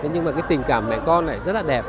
nhưng mà cái tình cảm mẹ con này rất là đẹp